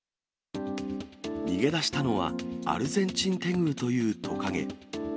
逃げ出したのは、アルゼンチンテグーというトカゲ。